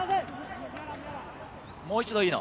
もう一度、飯野。